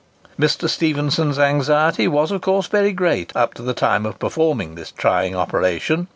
Mr. Stephenson's anxiety was, of course, very great up to the time of performing this trying operation.